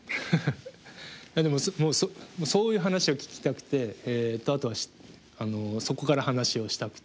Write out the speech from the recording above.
でもそういう話を聞きたくてあとはそこから話をしたくて。